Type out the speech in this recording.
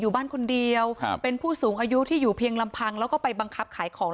อยู่บ้านคนเดียวครับเป็นผู้สูงอายุที่อยู่เพียงลำพังแล้วก็ไปบังคับขายของ